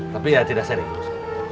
tapi ya tidak serius